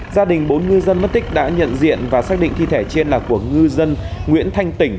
gia đình bốn ngư dân mất tích đã nhận diện và xác định thi thể trên là của ngư dân nguyễn thanh tỉnh